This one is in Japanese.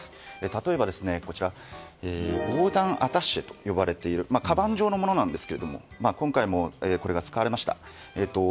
例えば防弾アタッシュと呼ばれているかばん状のものですが今回もこれが使われました。